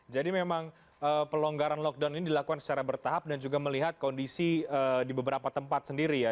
jadi memang pelonggaran lockdown ini dilakukan secara bertahap dan juga melihat kondisi di beberapa tempat sendiri ya